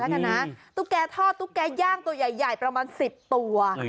แล้วกันนะตุ๊กแกทอดตุ๊กแกย่างตัวใหญ่ประมาณ๑๐ตัว